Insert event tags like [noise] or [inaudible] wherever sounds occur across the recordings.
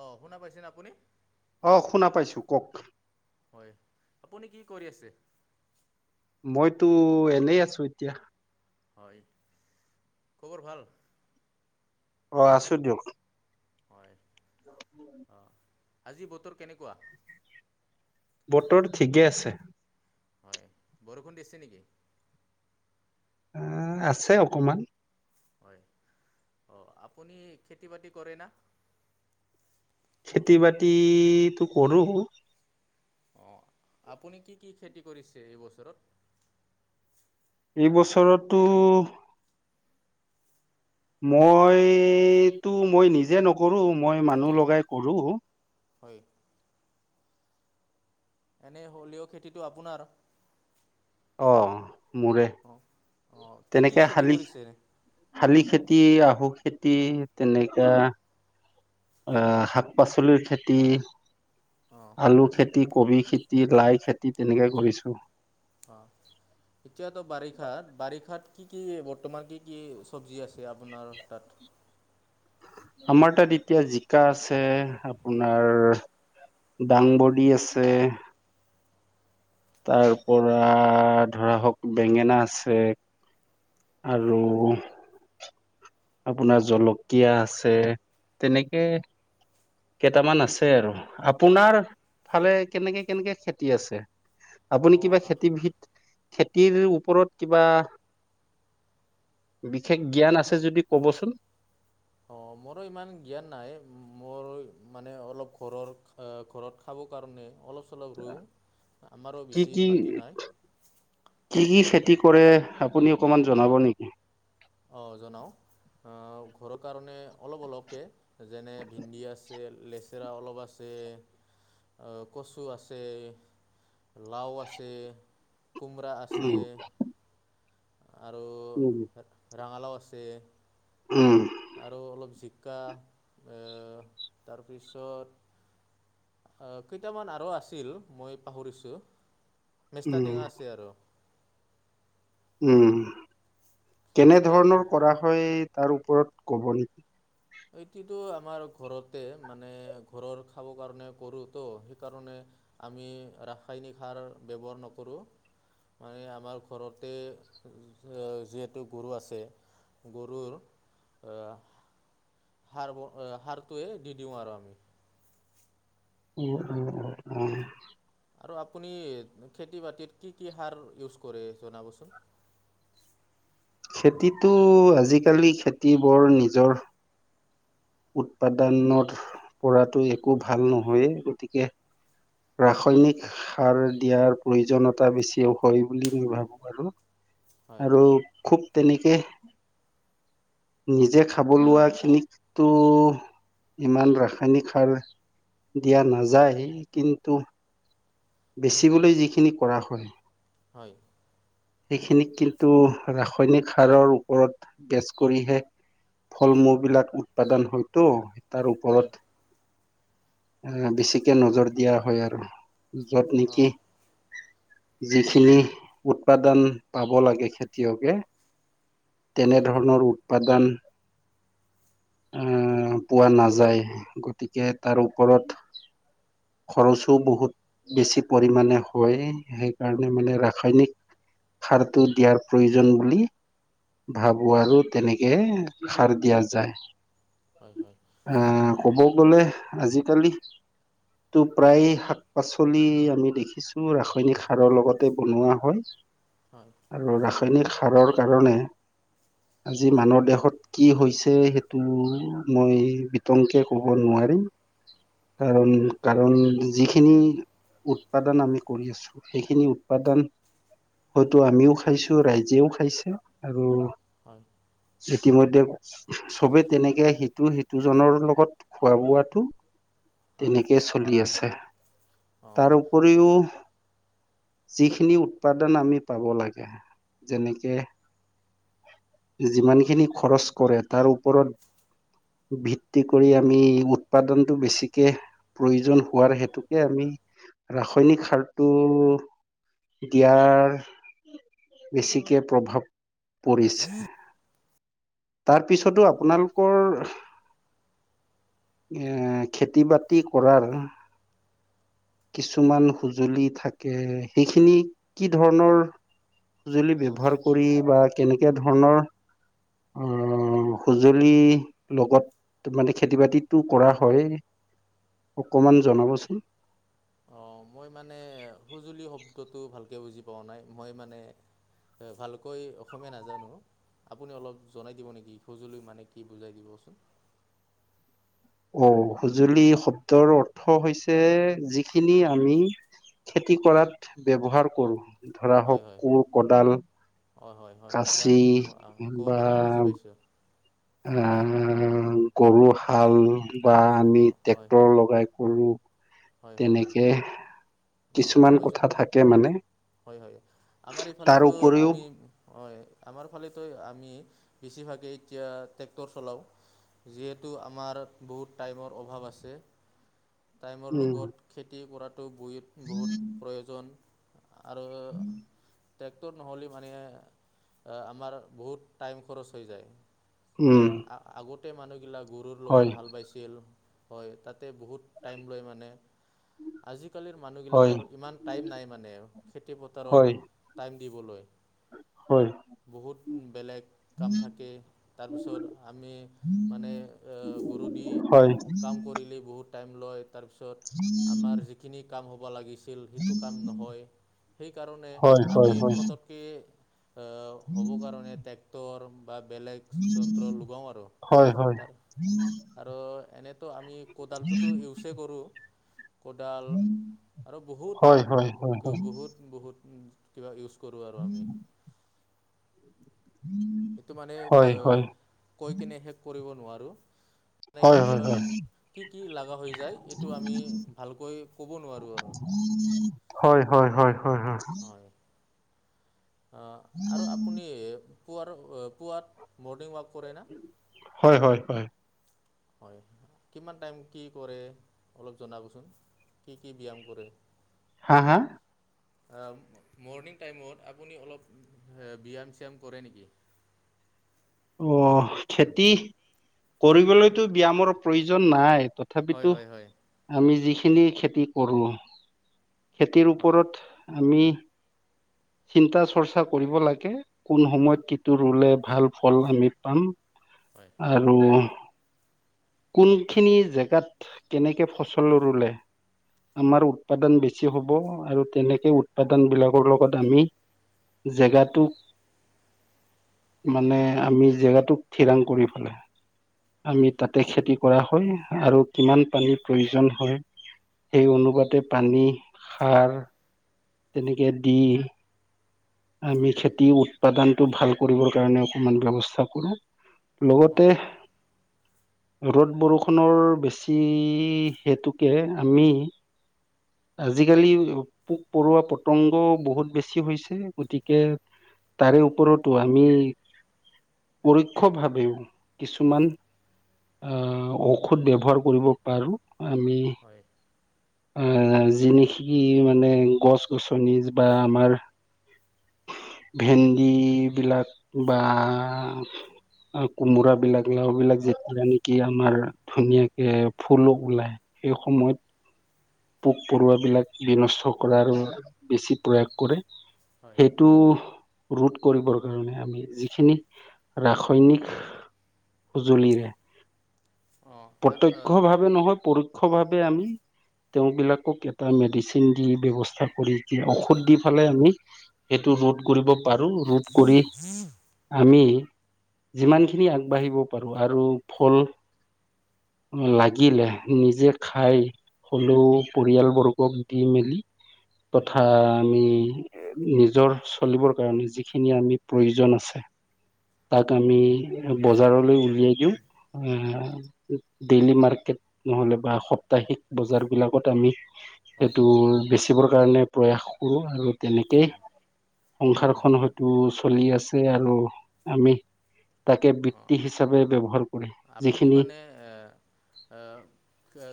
অহ শুনা পাইছেনে আপুনি? অ শুনা পাইছো কওক হয় আপুনি কি কৰি আছে? মইতো এনেই আছোঁ এতিয়া। খবৰ ভাল? অ আছোঁ দিয়ক। হয় আজি বতৰ কেনেকোৱা? বতৰ ঠিকেই আছে। হয়, বৰষুণ দিছে নেকি? এ আছে অকমান। হয়, অ আপুনি খেতি বাতি কৰে না খেতি- বাতিটো কৰোঁ। অ আপুনি কি কি খেতি কৰিছে এই বছৰত? এই বছৰততো মইতো মই নিজে নকৰো মই মানুহ লগাই কৰো। হয়। এনেই হলেও' খেতিটো আপোনাৰ। অ। মোৰে অঁ অঁ কি কি তেনেকে খেতি শালি কৰিছে শালি খেতি আহোক খেতি তেনেকা অহ শাক পাচলিৰ খেতি অঁ আলু খে তি কবি খেতি লাই খেতি তেনেকে কৰিছো। অ এতিয়াতো বাৰিষাত বাৰিষাত কি কি বৰ্তমান কি কি চব্জি আছে আপোনাৰ তাত। আমাৰ তাত এতিয়া জিকা আছে আপোনাৰ ডাংবডী আছে তাৰ হয় পৰা ধৰা হওক বেঙেনা আছে আৰু আপোনাৰ জলকীয়া আছে তেনেকে কেইটামান আছে আৰু আপোনাৰ ফালে কেনেকে কেনেকে খেতি আছে আপুনি কিবা অঁ খেতিবিদ খেতিৰ ওপৰত কিবা বিশেষ জ্ঞান আছে যদি ক'বচোন। অ মোৰো ইমান জ্ঞান নাই মোৰ মানে অলপ ঘৰৰ ঘৰত খাব কাৰণে অলপ চলপ ৰুওঁ। আমাৰো কি বেছি কি মাটি নাই কি কি খেতি কৰে আপুনি অকণমান জনাব নেকি। অ জনাও। ঘৰৰ কাৰণে অলপ অলপকে যেনে ভেন্দি আছে লেচেৰা অলপ আছে কচু আছে লাও আছে কোমোৰা আছে উম আৰু উম ৰঙালাও আছে উম আৰু অলপ জিকা আ তাৰপিছত কেইটামান আৰু আছিল মই পাহৰিছো মেষ্টা টেঙা আছে আৰু। উম কেনে মানে ধৰণৰ কৰা হয় তাৰ ওপৰত ক'ব নেকি। এইটো আমাৰ ঘৰতে মানে ঘৰৰ খাব কাৰণে কৰো ত সেইকাৰণে আমি ৰাসায়নিক সাৰ ব্যৱহাৰ নকৰোঁ। মানে আমাৰ ঘৰতে যিহেতু গৰু আছে। গৰুৰ। হাৰ ব সাৰটোৱে দি দিওঁ আৰু আমি। উ উ উ উ। আৰু আপুনি খেতি বাতিত কি কি সাৰ ইউজ কৰে জনাবচোন।। খেতিতটো আজিকালি খেতি বৰ নিজৰ। উৎপাদানত পৰাটো একো ভাল নহয়েই গতিকে। ৰাসায়নিক সাৰ দিয়াৰ প্ৰয়োজনীয়তা বেছিও হয় বুলি মই ভাবো আৰু। হয় আৰু খুব। তেনেকে নিজে খাব লোৱা খিনিটো। ইমান ৰাসায়নিক সাৰ দিয়া নাযায় কিন্তু। বেচিবলৈ যিখিনি কৰা হয়। হয়। সেইখিনিক কিন্তু ৰাসায়নিক সাৰৰ ওপৰত গেছ কৰিহে। ফল মূল বিলাক উৎপাদন হয়তো তাৰ হয় ওপৰত এ বেছিকে নজৰ দিয়া হয় আৰু যত নেকি অঁ যিখিনি উৎপাদন পাব লাগে খেতিয়কে তেনে হয় ধৰণৰ উৎপাদন আ পোৱা নাযায় গতিকে তাৰ তলত খৰচো বহুত বেছি পৰিাণে হয় সেইকাৰণে মানে ৰাসায়নিক। সাৰটো দিয়াৰ প্ৰয়োজন বুলি। ভাবোঁ আৰু তেনেকে সাৰ দিয়া যায় হয় হয় আ অ', ক'ব গলে আজিকালি। টো প্ৰায় শাক পাচলি আমি দেখিছো ৰাসায়নিক সাৰৰ লগতে বনোৱা হয় হয়, আৰু ৰাসায়নিক সাৰৰ কাৰণে। আজি মানুহ দেহত কি হৈছে সেইটো মই বিতংকে কব নোৱাৰো। কাৰণ। কাৰণ যিখিনি উৎপাদন আমি কৰি আছো সেইখিনি উৎপাদন হয়তো আমিও খাইছো ৰাইজেও খাইছে আৰু হয়। ইতিমধ্য চবে তেনেকে সিটো সিটোজনৰ লগত খোৱা বোৱাটো। হয় তেনেকে হয়, চলি আছে তাৰ অ'। উপৰিও যিখিনি উৎপাদন আমি পাব লাগে যেনেকে যিমানখিনি খৰচ কৰে তাৰ ওপৰত ভিত্তি কৰি আমি উৎপাদনটো বেছিকে। প্ৰয়োজন হোৱাৰ হেতুকে আমি ৰাসায়নিক সাৰটো। দিয়াৰ বেছিকে প্ৰভাৱ পৰিছে। তাৰ পিছতো আপোনালোকৰ। খেতি বাতি কৰাৰ। কিছুমান সুঁজুলি থাকে সেইখিনি কি ধৰণৰ। সঁজুলি ব্যৱহাৰ কৰি বা কেনেকে ধৰণৰ আ সঁজুলি লগত। মানে খেতি বাতিটো কৰা হয় অকমান জনাবচোন। অ মই মানে সঁজুলি শব্দটো ভালকে বুজি পাোৱা নাই মই মানে। ভালকৈ অসমীয়া নাজানো। আপুনি অলপ জনাই দিব নেকি সঁজুলি মানে কি বুজাই দিবচোন। অ সঁজুলি শব্দৰ অৰ্থ হৈছে যিখিনি আমি। খেতি কৰাত ব্যৱহাৰ কৰোঁ ধৰা হওঁক কোৰ কদাল। অ' হয় - হয়। কাচি জানিম ম- অ' ক'ব পাৰিম। বুজি পাইছোঁ। অ' গৰু-হাল বা আমি হয়, টেক্টৰ লগাই কৰোঁ। হয়, হয়, হয়, তেনেকে অ', কিছুমান মই জ কথা থাকে মানে হয় - হয়। আমাৰ তাৰ এইফালেতো উপৰিও আমি- হয় আমাৰ ফালেতো আমি বেছিভাগেই এতিয়া ট্ৰেক্টৰ চলাওঁ। যিহেতু আমাৰ বহুত টাইমৰ অভাৱ আছে। টাইমৰ উম। লগত খেতি কৰাতো বইত- বহুত প্ৰয়োজন আৰু ট্ৰেক্টৰ নহ'লে মানে, আমাৰ বহুত টাইম খৰচ হৈ যায়। এ উম আগতে মানুহগিলাক গৰুৰ লগৰ হয় হাল বাইছিল। হয়, তাতে বহুত টাইম লয় মানে। আজি কালিৰ হয় মানুহগিলাকৰ ইমান টাইম নাই মানে, খেতি হয় পথাৰত টাইম দিবলৈ। হয়। বহুত বেলেগ কাম থাকে। তাৰপিছত আমি মানে গৰু দি হয় কাম কৰিলেই বহুত টাইম লয়। তাৰপিছত আমাৰ যিখিনি কাম হ'ব লাগি ছিল, সেইটো কাম নহয়। সেইকাৰণে হয় আমি হয় হয় ফতক্কে অ' হ'ব কাৰণে ট্ৰেক্টৰ বা বেলেগ যন্ত্ৰ লোগাওঁ আৰু। হয় হয় তাৰ আৰু এনে তো আমি কোদালটোতো ইউছে কৰোঁ। কোদাল আৰু বহুত হয় হয় হয় - বহুত - বহুত কিবা ইউজ কৰোঁ আৰু আমি। এইটো মানে হয় অ'- হয় কৈ কেনে শেষ কৰিব নোৱাৰোঁ। মানে হয় হয় হয় হয় হয় কেতিয়াবা কি - কি লাগা হৈ যায়, এইটো আমি ভালকৈ ক'ব নোৱাৰোঁ আৰু। হয় - হয় - হয় - হয়। অ' আৰু আপুনি পুৱাৰ- অ' পুৱাত মৰ্ণিং ৱাক কৰেনে হয় - হয় - হয়। হয়। কিমান টাইম কি কৰে? অলপ জনাবচোন। কি - কি ব্যাম কৰে? হা- হা? অ' মৰ্নিং টাইমত আপুনি অলপ হ- ব্যাম-শ্যাম কৰে নেকি? [inaudible] অ' খেতি কৰিবলৈতো ব্যামৰ প্ৰয়োজন নাই। হয় তথাপিতো হয় হয় আমি যিখিনি খেতি কৰোঁ খেতিৰ হয় ওপৰত আমি চিন্তা-চৰ্চা কৰিব লাগে। কোন সময়ত কিটো ৰুলে, ভাল ফল আমি পাম হয় আৰু কোনখিনি জেগাত কেনেকে ফচল ৰুলে আমাৰ উৎপাদন বেছি হ'ব আৰু তেনেকে উৎপাদনবিলাকৰ লগত আমি জেগাটো মানে আমি জেগাটোক থিৰাং কৰি পেলাই আমি হয় তাতে খেতি কৰা হয় আৰু কিমান পানীৰ প্ৰয়োজন হয় সেই হয় অনুপাতে পানী, সাৰ, তেনেকে দি আমি হয় হয় খেতি উৎপাদনটো ভাল কৰিবৰ কাৰণে অকমান ব্যৱস্থা কৰোঁ। লগতে অঁ ৰ'দ, বৰষুণৰ বেছি হেতুকে আমি আজিকালি পোক-পৰুৱা, পতংগ বহুত বেছি হৈছে, গতিকে তাৰে ওপৰতো আমি পৰোক্ষভাৱেও কিছুমান অ' ঔষধ ব্যৱহাৰ কৰিব পাৰোঁ। আমি হয় আহ যি নিকি মানে গছ -গছনি বা আমাৰ ভেন্দিবিলাক বা কোমোৰাবিলাক, লাওবিলাক যেতিয়া নেকি আমাৰ ধুনীয়াকে ফুলো ওলায় সেই সময়ত পোক পৰুৱাবিলাক বিনষ্ট কৰাৰো বেছি প্ৰয়াস কৰে। হয় সেইটো ৰোধ কৰিবৰ কাৰণে আমি যিখিনি ৰাসায়নিক সঁজুলিৰে অঁ আৰু প্ৰত্যক্ষভাৱে নহয় পৰোক্ষভাৱে আমি তেওঁবিলাকক এটা মেডিচিন দি ব্যৱস্থা কৰি কি ঔষধ দি পালে আমি সেইটো ৰোধ কৰিব পাৰো ৰোধ কৰি আমি যিমানখিনি আগবাঢ়িব পাৰো আৰু ফল লাগিলে নিজে খাই হলেও পৰিয়ালবৰ্গক দি মেলি তথা আমি নিজৰ চলিবৰ কাৰণে যিখিনি আমি প্ৰয়োজন আছে। [inaudible] তাক আমি হয় বজাৰলৈ উলিয়াই দিওঁ আহ ডেইলি মাৰ্কেট নহলে বা সাপ্তাহিক বজাৰ বিলাকত আমি হয় সেইটো বেচিবৰ কাৰণে প্ৰয়াস কৰোঁ আৰু তেনেকেই হয় অঁ সংসাৰখন হয়তো চলি আছে আৰু আমি তাকে অঁ বৃত্তি হিচাপে ব্যৱহাৰ কৰে আপুনি যিখিনি মানে এ আহ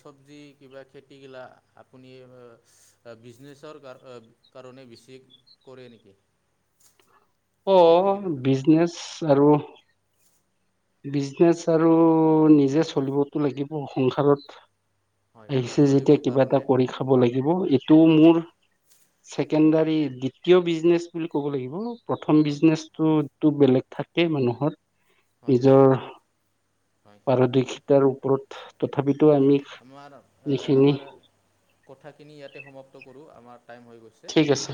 চবজি কিবা খেতিগিলা আপুনি বিজনেচৰ কাৰ কাৰণে বেছি কৰে নেকি? অ খেতিগিলা বিজনেচ আৰু বিজনেচ আৰু নিজে চলিবতো লাগিব সংসাৰত। হয় হয় আহিছে যেতিয়া চলিবৰ কিবা এটা কাৰণে কৰি খাব লাগিব এইটোও হয় মোৰ ছেকেণ্ড ডাৰি দ্বিতীয় বিজনেচ বুলি ক'ব লাগিব। প্ৰথম হয় বিজনেচটো টো বেলেগ থাকে, মানুহৰ হয় হয় নিজৰ হয় পাৰদৰ্শিতাৰ ওপৰত। তথাপিতো হয় আমি আমাৰ যিখিনি আমাৰ কথাখিনি ইয়াতে সমাপ্ত কৰো আমাৰ টাইম হৈ গৈছে। ঠিক আছে